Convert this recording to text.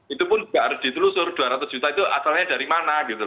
itu pun juga harus ditelusur dua ratus juta itu asalnya dari mana gitu